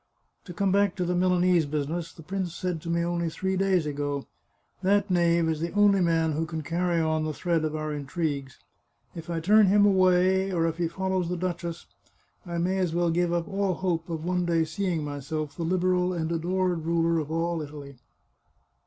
* To come back to the Milanese business, the prince said to me, only three days ago :* That knave is the only man who can carry on the thread of our intrigues. If I turn him away, or if he follows the duchess, I may as well give up all hope of one day seeing myself the Liberal and adored ruler of all Italy.'